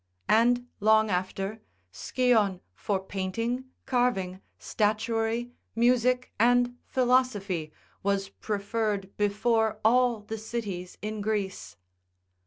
And long after, Sycion for painting, carving, statuary, music, and philosophy, was preferred before all the cities in Greece.